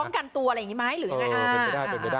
ว่าต้องกันตัวอะไรอยังงี้